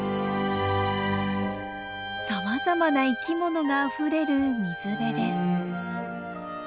さまざまな生き物があふれる水辺です。